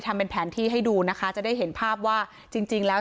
ทำเป็นแผนที่ให้ดูนะคะจะได้เห็นภาพว่าจริงจริงแล้ว